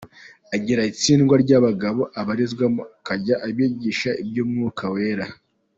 Agira itsinda ry’abagabo abarizwamo akajya abigisha iby’Umwuka Wera.